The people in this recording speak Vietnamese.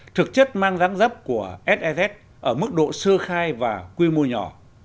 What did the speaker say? thực chất mang ráng rấp của sfs ở mức độ sơ khai và quy mô nhỏ